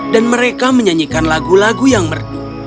dan mereka menyanyikan lagu lagu yang merdu